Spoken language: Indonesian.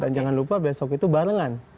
dan jangan lupa besok itu barengan